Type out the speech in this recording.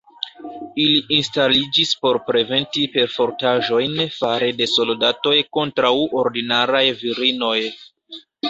Ili instaliĝis por preventi perfortaĵojn fare de soldatoj kontraŭ ordinaraj virinoj.